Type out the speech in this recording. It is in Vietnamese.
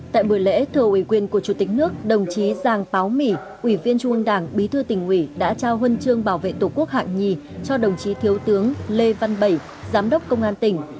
tại buổi lễ thừa ủy quyền của chủ tịch nước đồng chí giàng báo mỉ ủy viên trung ương đảng bí thư tỉnh ủy đã trao huân chương bảo vệ tổ quốc hạng nhì cho đồng chí thiếu tướng lê văn bảy giám đốc công an tỉnh